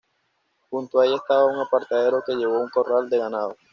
Junto a ella estaba un apartadero que llevó a un corral de ganado.